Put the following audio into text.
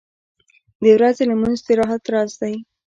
• د ورځې لمونځ د راحت راز دی.